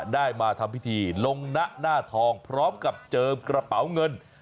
ได้มาทำพิธีลงนะหน้าทองพร้อมกับเจิมกระเป๋าเงิน